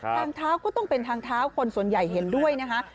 ทางเท้าก็ต้องเป็นทางเท้าคนส่วนใหญ่เห็นด้วยนะคะ